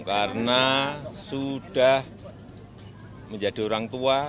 karena sudah menjadi orang tua